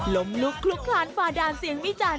ล้มลุกลุกคลานฟ้าดามเสียงมิจารณ์